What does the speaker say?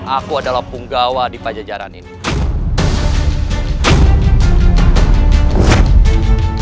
aku adalah punggawa di pajajaran ini